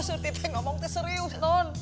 suti teh ngomong tuh serius non